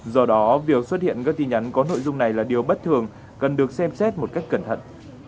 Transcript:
do đó việc xuất hiện các tin nhắn có nội dung này là điều bất thường cần được xem xét một cách cẩn thận